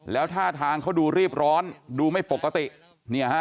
แล้วท่าทางเขาดูรีบร้อนดูไม่ปกติ